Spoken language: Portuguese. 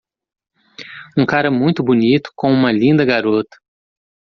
um cara muito bonito com uma linda garota